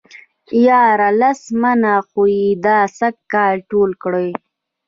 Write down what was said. ياره لس منه خو يې دا سږ کال ټول کړي.